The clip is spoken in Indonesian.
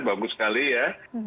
bagus sekali ya